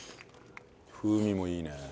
風味もいいね。